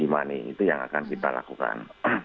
money itu yang akan kita lakukan